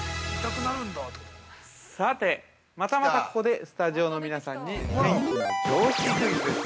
◆さて、またまたここでスタジオの皆さんに、天気の常識クイズです。